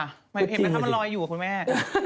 เห็นไหมถ้ามันลอยอยู่ครับคุณแม่